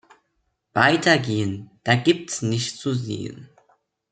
Weitergehen, da gibt’s nichts zu sehen.